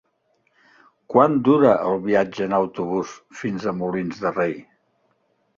Quant dura el viatge en autobús fins a Molins de Rei?